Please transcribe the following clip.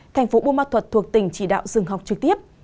thành phố bumathut thuộc tỉnh chỉ đạo dừng học trực tiếp